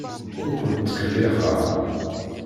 Ur kent-ttkellixeɣ.